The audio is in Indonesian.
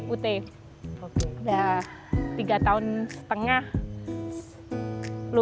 udah tiga tahun setengah lulus